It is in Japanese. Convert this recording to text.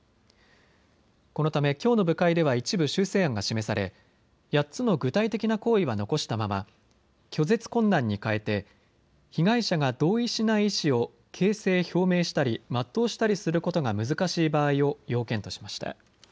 このためきょうの部会では一部修正案が示され８つの具体的な行為は残したまま拒絶困難に替えて被害者が同意しない意思を形成・表明したり全うしたりすることが難しい場合を要件としました。